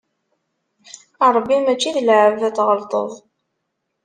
Ṛebbi mačči d lɛebd ad t-tɣellṭeḍ.